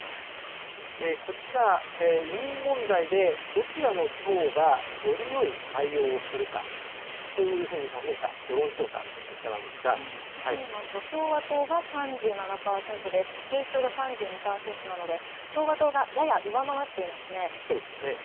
こちら、移民問題でどちらの党がよりよい対応をするかというふうに尋ねた世論調査の結果なんですが見てみると共和党が３７％で民主党が３２％なので共和党がやや上回っていますね。